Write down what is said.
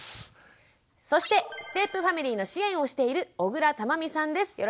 そしてステップファミリーの支援をしている緒倉珠巳さんです。